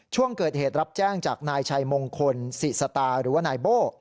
ช่วงเกิดเหตุรับแจ้งจากนายชัยมงคลสิสตาหรือว่านายโบ้